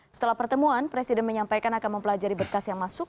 setelah pertemuan presiden menyampaikan akan mempelajari berkas yang masuk